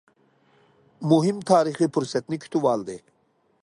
مۇھىم تارىخىي پۇرسەتنى كۈتۈۋالدى.